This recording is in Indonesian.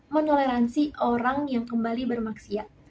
menoleransi orang yang kembali bermaksiat